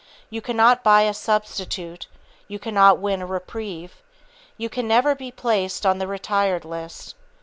You cannot buy a substitute, you cannot win a reprieve, you can never be placed on the retired list.